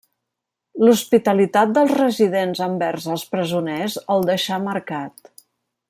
L'hospitalitat dels residents envers els presoners el deixà marcat.